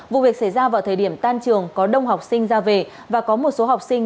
vụ việc xảy ra vào thời điểm tan trường có đông học sinh ra về và có một số học sinh